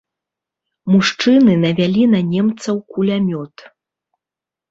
Мужчыны навялі на немцаў кулямёт.